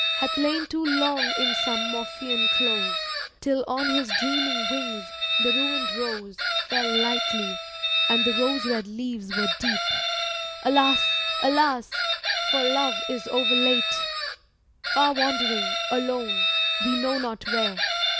Hath lain too long in some Morphean close— Till on his dreaming wings the ruined rose Fell lightly, and the rose red leaves were deep. Alas, alas, for Love is overlate! Far 'wandering, alone, we know not where.